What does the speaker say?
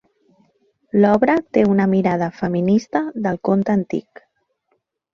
L'obra té una mirada feminista del conte antic.